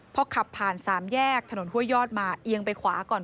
พอขับผ่านสามแยกถนนห้วยยอดมาเอียงไปขวาก่อน